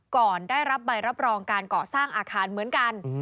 ก่อนได้รับใบรับรองการเกาะสร้างอาคารเหมือนกัน